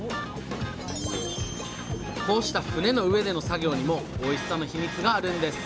こうした船の上での作業にもおいしさのヒミツがあるんです